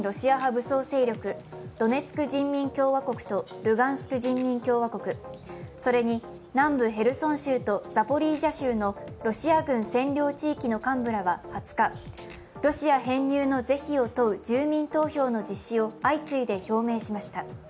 武装勢力ドネツク人民共和国とルガンスク人民共和国、それに南部ヘルソン州とザポリージャ州のロシア軍占領地域の幹部らは２０日、ロシア編入の是非を問う住民投票の実施を相次いで表明しました。